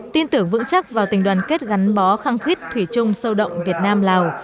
tin tưởng vững chắc vào tình đoàn kết gắn bó khăng khít thủy chung sâu động việt nam lào